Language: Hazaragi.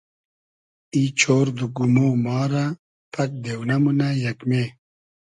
ای چۉرد و گومۉ ما رۂ پئگ دېونۂ مونۂ یئگمې